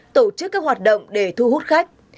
tổ chức các hoạt động để thu hút khách